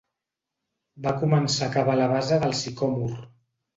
Va començar a cavar a la base del sicòmor.